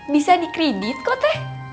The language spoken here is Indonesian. bisa dikredit kok teh